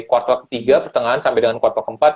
kuartal ketiga pertengahan sampai dengan kuartal keempat